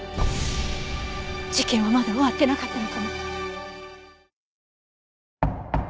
事件はまだ終わってなかったのかも。